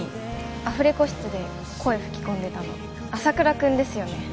アフレコ室で声吹き込んでたの朝倉君ですよね？